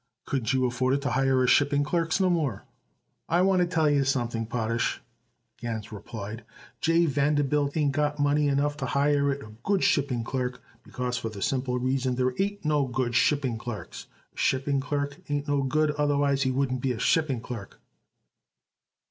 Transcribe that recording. "Couldn't you afford it to hire shipping clerks no more?" "I want to tell you something, Potash," Gans replied. "Jay Vanderbilt ain't got money enough to hire it a good shipping clerk, because for the simple reason there ain't no good shipping clerks. A shipping clerk ain't no good, otherwise he wouldn't be a shipping clerk."